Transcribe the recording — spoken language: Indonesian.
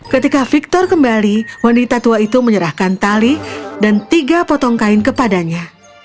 ketika victor kembali wanita tua itu menyerahkan tali dan tiga potong kain kepadanya